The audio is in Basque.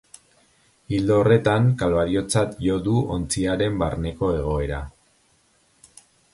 Ildo horretan, kalbariotzat jo du ontziaren barneko egoera.